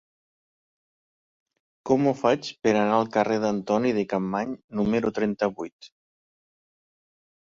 Com ho faig per anar al carrer d'Antoni de Capmany número trenta-vuit?